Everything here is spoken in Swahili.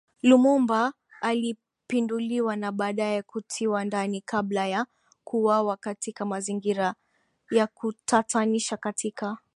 Lumumba alipinduliwa na baadaye kutiwa ndani kabla ya kuuawa katika mazingira ya kutatanisha katika